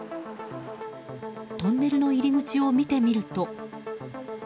トンネルの入り口を見てみると。